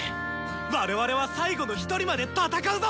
我々は最後のひとりまで戦うぞ！